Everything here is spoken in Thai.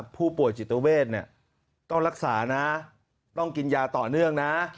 ผู้ป่วยจิตเวทต้องรักษานะต้องกินยาต่อเนื่องนะ